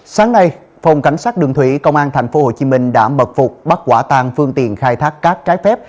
sáng nay phòng cảnh sát đường thủy công an tp hcm đã mật phục bắt quả tàng phương tiện khai thác cát trái phép